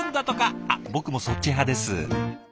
あっ僕もそっち派です。